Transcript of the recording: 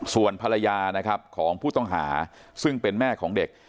ส่วนภรรยานะครับของผู้ต้องหาซึ่งเป็นแม่ของเด็ก